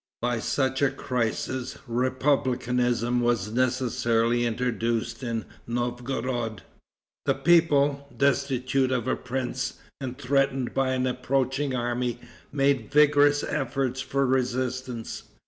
By such a crisis, republicanism was necessarily introduced in Novgorod. The people, destitute of a prince, and threatened by an approaching army, made vigorous efforts for resistance.